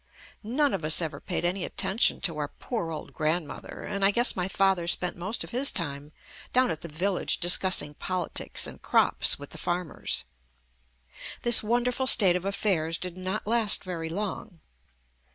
None of us ever paid any attention to our poor old grand mother, and I guess my father spent most of I his time down at the village discussing politics and crops with the farmers. This wonderful state of affairs did not last very long.